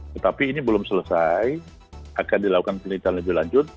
tetapi ini belum selesai akan dilakukan penelitian lebih lanjut